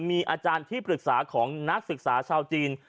มีอาจารย์ที่ปรึกษาของนักศึกษาชาวจีน